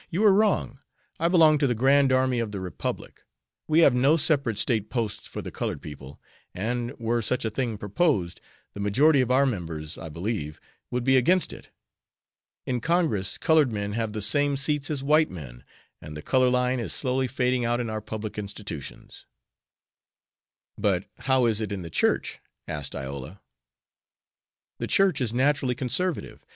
"You are wrong. I belong to the Grand Army of the Republic. We have no separate State Posts for the colored people, and, were such a thing proposed, the majority of our members, I believe, would be against it. In Congress colored men have the same seats as white men, and the color line is slowly fading out in our public institutions." "But how is it in the Church?" asked Iola. "The Church is naturally conservative.